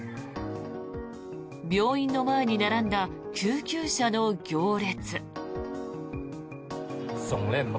病院の前に並んだ救急車の行列。